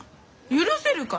許せるか？